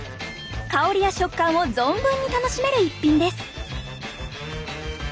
香りや食感を存分に楽しめる一品です！